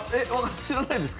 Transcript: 知らないですか？